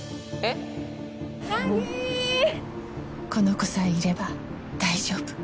この子さえいれば大丈夫。